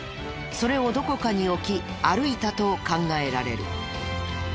それをどこかに置き歩いたと考えられる。